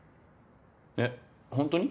えっホントに？